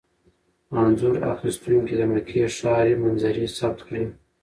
انځور اخیستونکي د مکې ښاري منظرې ثبت کړي.